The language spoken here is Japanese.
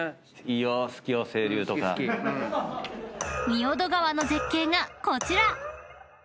［仁淀川の絶景がこちら］